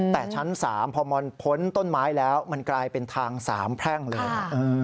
แต่ชั้น๓พอมันพ้นต้นไม้แล้วมันกลายเป็นทางสามแพร่งเลย